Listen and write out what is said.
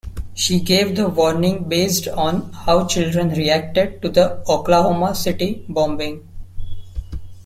She gave the warning based on how children reacted to the Oklahoma City bombing.